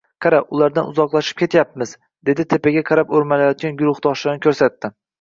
Qara, ulardan uzoqlashib ketyapmiz, dedi tepaga qarab o`rmalayotgan guruhdoshlarini ko`rsatdi